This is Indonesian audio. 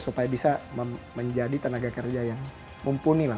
supaya bisa menjadi tenaga kerja yang mumpuni lah